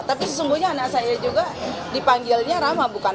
tapi sesungguhnya anak saya juga dipanggilnya rama bukan